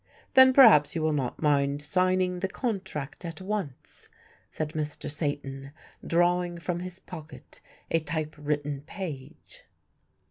"Then perhaps you will not mind signing the contract at once," said Mr. Satan, drawing from his pocket a type written page.